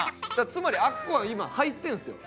つまりあそこは今入ってんすよ。